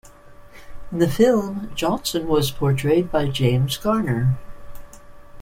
In the film, Johnson was portrayed by James Garner.